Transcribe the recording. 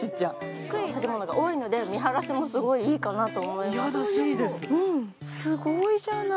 低い建物が多いので見張らしもすごいいいかなと。